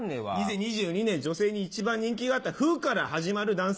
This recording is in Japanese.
２０２２年女性に一番人気があった「ふ」から始まる男性